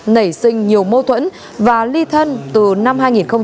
nảy sinh nhiều mâu thuẫn và ly thân từ năm hai nghìn một mươi